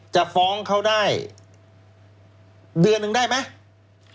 จะฟ้องเขาได้เดือนหนึ่งได้ไหม